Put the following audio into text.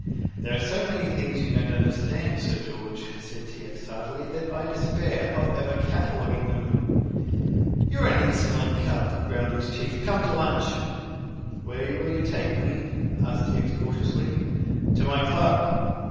"There are so many things you don't understand, Sir George," said T. X. tartly, "that I despair of ever cataloguing them." "You are an insolent cub," growled his Chief. "Come to lunch." "Where will you take me?" asked T. X. cautiously. "To my club."